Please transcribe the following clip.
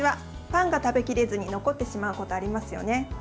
パンが食べきれずに残ってしまうことありますよね。